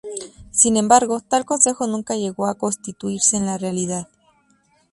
Sin embargo, tal consejo nunca llegó a constituirse en la realidad.